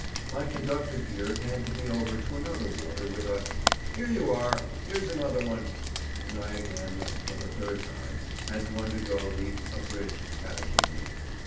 My conductor here handed me over to another warder with a "Here you are; here's another one;" and I again, and for the third time, had to undergo the "abridged catechism."